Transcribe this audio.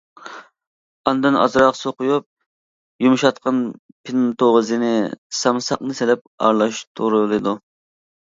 ئاندىن ئازراق سۇ قۇيۇپ، يۇمشاتقان پىنتوزىنى، سامساقنى سېلىپ ئارىلاشتۇرۇلىدۇ.